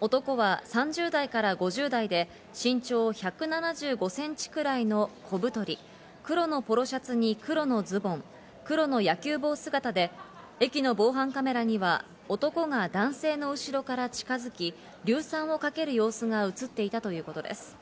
男は３０代から５０代で身長１７５ｃｍくらいの小太り、黒のポロシャツに黒のズボン、黒の野球帽姿で駅の防犯カメラには男が男性の後ろから近づき、硫酸をかける様子が映っていたということです。